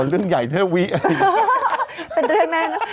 อ๋อเรื่องนี้น่ะวี้